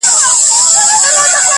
پر ټول جهان دا ټپه پورته ښه ده.